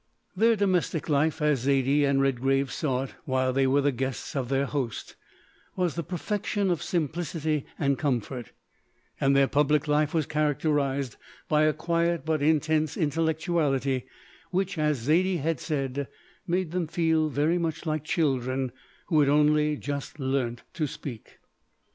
Their domestic life, as Zaidie and Redgrave saw it while they were the guests of their host, was the perfection of simplicity and comfort, and their public life was characterised by a quiet but intense intellectuality which, as Zaidie had said, made them feel very much like children who had only just learnt to speak.